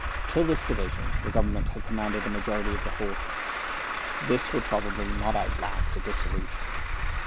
Till this division, the Government had commanded a majority of the whole House. This would probably not outlast a dissolution.